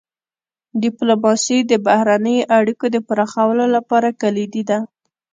ډيپلوماسي د بهرنیو اړیکو د پراخولو لپاره کلیدي ده.